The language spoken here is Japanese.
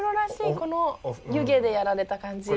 この湯気でやられた感じ。